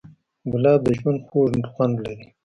ګلاب د ژوند خوږ خوند لري.